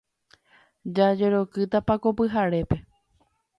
Jajerokýtapa ko pyhare.